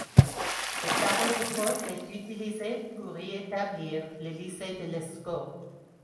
Le carreau de fosse est utilisé pour y établir le lycée de l'Escaut.